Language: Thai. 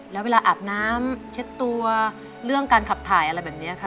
แล้วเวลาอาบน้ำเช็ดตัวเรื่องการขับถ่ายอะไรแบบนี้ค่ะ